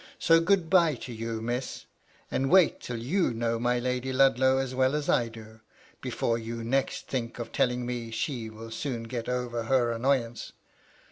So good bye to you. Mis; and wait till you know Lady Ludlow as well as I do, before you next think of telling me she will soon get over her annoyance